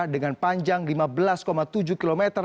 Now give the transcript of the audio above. dengan panjang lima belas tujuh km